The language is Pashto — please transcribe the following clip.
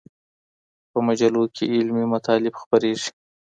په مجلو کي علمي مطالب خپریږي.